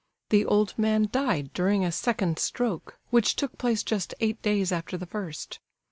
The old man died during a second stroke, which took place just eight days after the first.